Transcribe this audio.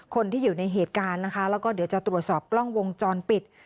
คนที่อยู่ในเหตุการณ์นะคะแล้วก็เดี๋ยวจะตรวจสอบกล้องวงจรปิด